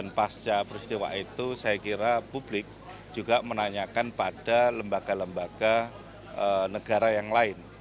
pasca peristiwa itu saya kira publik juga menanyakan pada lembaga lembaga negara yang lain